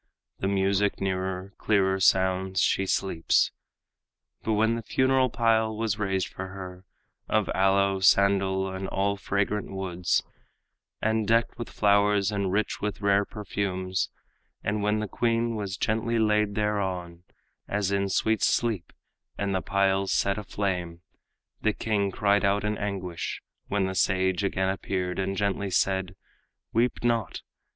The music nearer, clearer sounds; she sleeps. But when the funeral pile was raised for her, Of aloe, sandal, and all fragrant woods, And decked with flowers and rich with rare perfumes, And when the queen was gently laid thereon, As in sweet sleep, and the pile set aflame, The king cried out in anguish; when the sage Again appeared, and gently said, "Weep not!